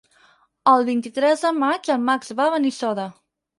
El vint-i-tres de maig en Max va a Benissoda.